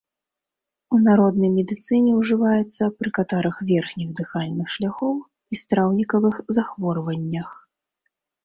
У народнай медыцыне ўжываецца пры катарах верхніх дыхальных шляхоў і страўнікавых захворваннях.